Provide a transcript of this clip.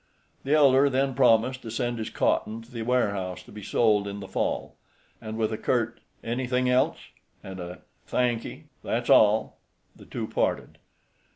The elder then promised to send his cotton to the warehouse to be sold in the fall, and with a curt "Anything else?" and a "Thankee, that's all," the two parted.